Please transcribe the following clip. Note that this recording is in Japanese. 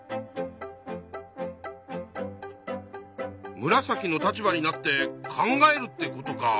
ムラサキの立場になって考えるってことか。